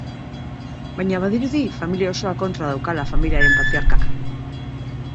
Baina badirudi familia osoa kontra daukala familiaren patriarkak.